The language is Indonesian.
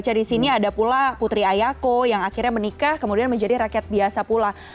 jadi di sini ada pula putri ayako yang akhirnya menikah kemudian menjadi rakyat biasa pula